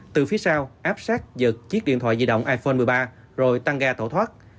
từ phía sau áp sát giật chiếc điện thoại di động iphone một mươi ba rồi tăng ga tẩu thoát